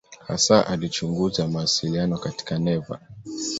Hasa alichunguza mawasiliano katika neva.